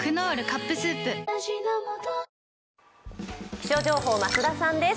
気象情報、増田さんです。